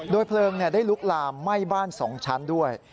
เพลิงได้ลุกลามไหม้บ้าน๒ชั้นด้วย